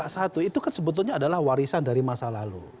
satu itu kan sebetulnya adalah warisan dari masa lalu